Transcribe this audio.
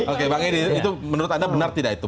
oke pak engi itu menurut anda benar tidak itu